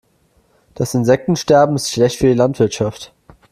Das Insektensterben ist schlecht für die Landwirtschaft.